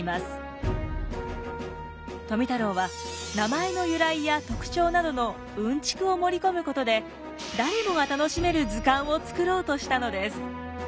富太郎は名前の由来や特徴などのうんちくを盛り込むことで誰もが楽しめる図鑑を作ろうとしたのです。